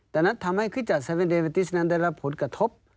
แต่นั้นทำให้คริสจัดเซเว่นเดเวติสนั้นได้รับผลกระทบ